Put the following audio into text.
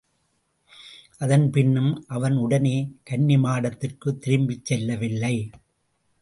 அதன் பின்னும் அவன் உடனே கன்னிமாடத்திற்குத் திரும்பிச் செல்லவில்லை.